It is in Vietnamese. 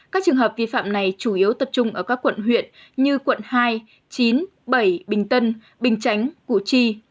các trường hợp vi phạm này chủ yếu tập trung ở các quận huyện như quận hai chín bảy bình tân bình chánh củ chi